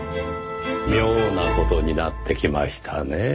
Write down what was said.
妙な事になってきましたねぇ。